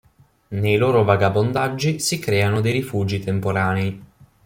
Nei loro vagabondaggi si creano dei rifugi temporanei.